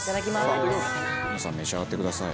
バカリズム：皆さん召し上がってください。